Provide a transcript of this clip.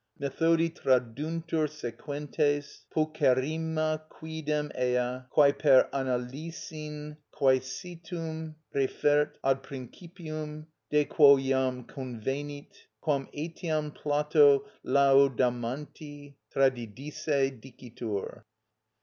(_Methodi traduntur sequentes: pulcherrima quidem ea, quæ per analysin quæsitum refert ad principium, de quo jam convenit; quam etiam Plato Laodamanti tradidisse dicitur.